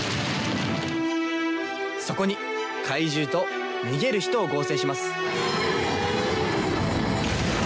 そこに怪獣と逃げる人を合成します。